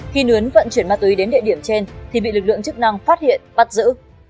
khi nướn vận chuyển ma túy đến địa điểm trên thì bị lực lượng chức năng phát hiện bắt giữ